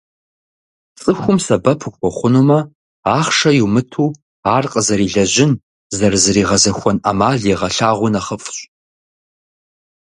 Цӏыхум сэбэп ухуэхъунумэ, ахъшэ йумыту, ар къызэрилэжьын, зэрызригъэзэхуэн ӏэмал егъэлъагъуи нэхъыфӏщ.